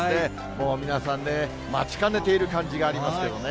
もう皆さんね、待ちかねている感じがありますけどね。